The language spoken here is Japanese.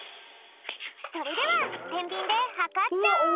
それではてんびんではかっちゃおう！